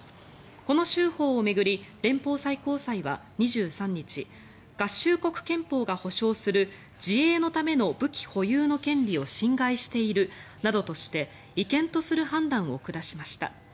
この州法を巡り連邦最高裁は２３日合衆国憲法が保障する自衛のための武器保有の権利を侵害しているなどとして違憲とする判断を下しました。